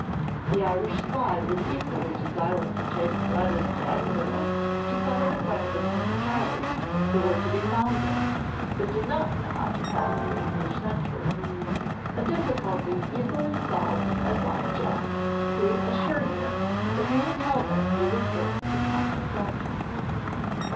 The Irish spy was equally desirous of taking letters to Edinburgh to some of the friends of Prince Charlie, who were to be found there, but did not know how to pass the English sentries, a difficulty easily solved by Blind Jack, who assured him that he would tell them he was going to Captain Thornton.